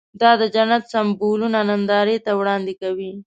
دا د جنت سمبولونه نندارې ته وړاندې کوي.